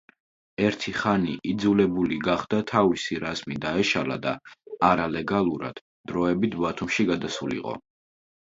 ერთი ხანი იძულებული გახდა თავისი რაზმი დაეშალა და არალეგალურად დროებით ბათუმში გადასულიყო.